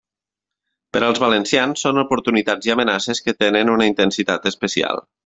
Per als valencians són oportunitats i amenaces que tenen una intensitat especial.